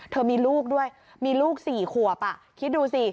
เธอมีลูกด้วยมีลูก๔ขวบคิดดูสิ